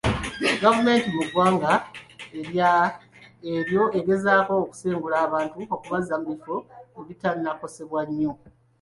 Gavumenti mu ggwanga eryo egezaako okusengula abantu okubazza mu bifo ebitannakosebwa nnyo.